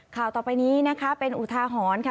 ข่าวต่อไปนี้นะคะเป็นอุทาหรณ์ค่ะ